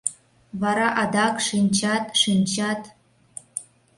Вара адак шинчат, шинчат...